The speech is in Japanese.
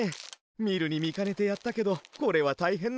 みるにみかねてやったけどこれはたいへんなしごとだ。